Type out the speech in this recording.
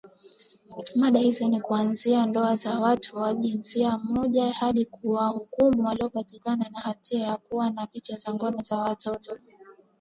mada hizo ni kuanzia ndoa za watu wa jinsia moja hadi kuwahukumu waliopatikana na hatia ya kuwa na picha za ngono za watoto